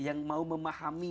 yang mau memahami